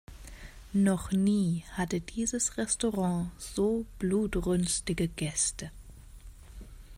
Noch nie hatte dieses Restaurant so blutrünstige Gäste.